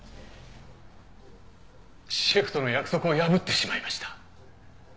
シェフとの約束を破ってしまいました。